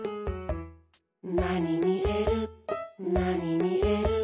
「なにみえるなにみえる」